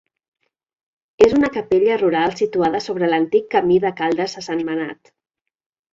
És una capella rural situada sobre l'antic camí de Caldes a Sentmenat.